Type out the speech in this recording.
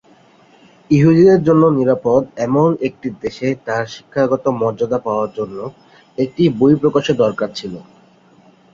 ইহুদীদের জন্য নিরাপদ এমন একটি দেশে তার শিক্ষাগত মর্যাদা পাওয়ার জন্য একটি বই প্রকাশের দরকার ছিলো।